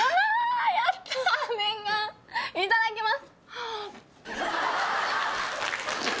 いただきます！